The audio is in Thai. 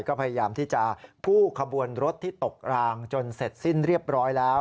ก็พยายามที่จะกู้ขบวนรถที่ตกรางจนเสร็จสิ้นเรียบร้อยแล้ว